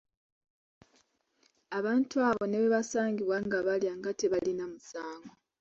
Abantu abo ne bwe baasangibwanga nga balya nga tebalina musango.